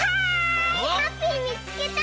ハッピーみつけた！